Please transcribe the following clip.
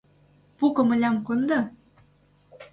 — Пу комылям кондо.